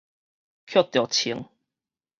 抾著銃